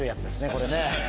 これね。